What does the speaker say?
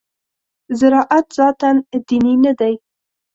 زراعت ذاتاً دیني نه دی.